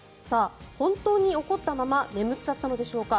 本当に、怒ったまま眠っちゃったのでしょうか。